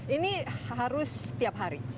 ini harus tiap hari